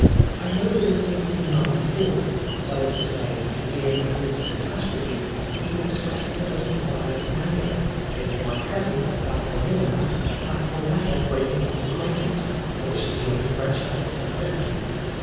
I know that in 1894, that is to say, a year before the catastrophe, he expressed the most violent anger, in my presence and that of another man, at a letter breaking off acquaintance, which a young French poet had written him.